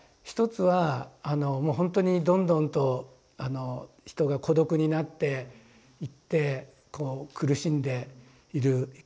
一つはもうほんとにどんどんと人が孤独になっていってこう苦しんでいる。